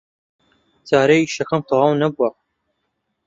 جارێ ئیشەکەم تەواو نەبووە.